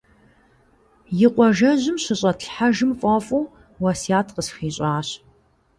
И къуажэжьым щыщӏэтлъхьэжым фӏэфӏу уэсят къысхуищӏащ.